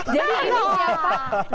jadi ini siapa